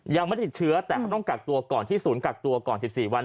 ยังไม่ได้ติดเชื้อแต่เขาต้องกักตัวก่อนที่ศูนย์กักตัวก่อน๑๔วัน